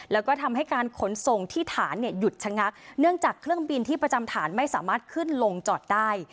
แล้วก็ทำให้การขนส่งที่ฐานเนี่ยหยุดชะงักเนื่องจากเครื่องบินที่ประจำฐานไม่สามารถขึ้นลงจอดได้